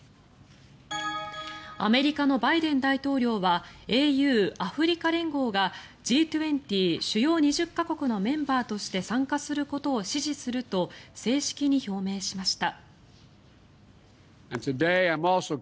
アメリカのバイデン大統領はＡＵ・アフリカ連合がＧ２０・主要２０か国のメンバーとして参加することを支持すると正式に表明しました。